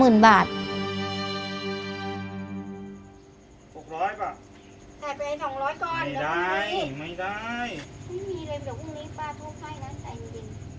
ไม่มีเลยเดี๋ยวพรุ่งนี้ป้าโทษให้นะ